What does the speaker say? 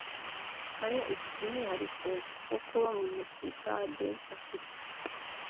nayo ifite umwihariko wo kuba mu masitade afite